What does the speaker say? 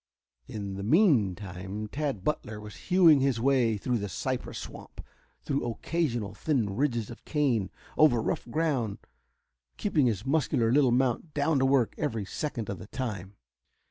In the meantime Tad Butler was hewing his way through the cypress swamp, through occasional thin ridges of cane, over rough ground, keeping his muscular little mount down to work every second of the time.